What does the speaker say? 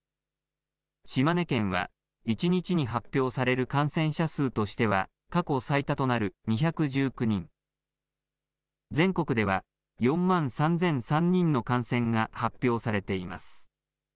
島根県は、１日に発表される感染者数としては過去最多となる２１９人、全国では、４万３００３人の感染が発表されています。